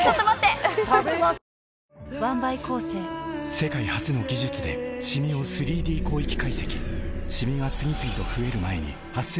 世界初の技術でシミを３Ｄ広域解析シミが次々と増える前に「メラノショットＷ」